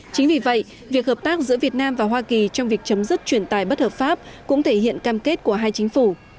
chính vì vậy việc hợp tác giữa việt nam và hoa kỳ trong việc chấm dứt chuyển tài bất hợp pháp cũng thể hiện cam kết của hai chính phủ